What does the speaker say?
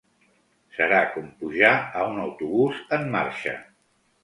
Serà com pujar a un autobús en marxa.